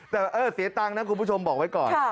แต่เสียตังค์นะคุณผู้ชมบอกไว้ก่อน